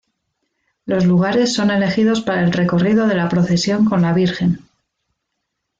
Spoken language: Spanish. Los lugares son elegidos para el recorrido de la procesión con la virgen.